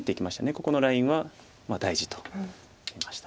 ここのラインは大事と見ました。